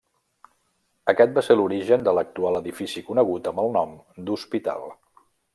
Aquest va ser l'origen de l'actual edifici conegut amb el nom d'hospital.